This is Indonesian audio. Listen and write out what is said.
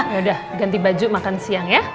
yaudah ganti baju makan siang ya